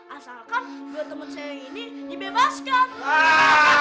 asalkan dua teman saya ini dibebaskan